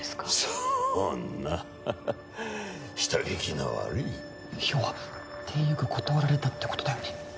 そんな人聞きの悪い要はていよく断られたってことだよね？